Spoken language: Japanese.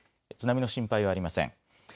津波の心配はありません。